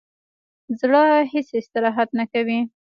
زړه هیڅ استراحت نه کوي